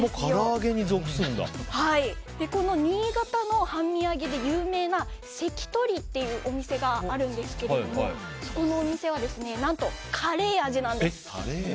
新潟の半身揚げで有名なせきとりというお店があるんですがそこのお店はカレー味なんです。